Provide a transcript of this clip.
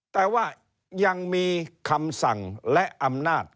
แต่ว่ายังมีคำสั่งและอำนาจ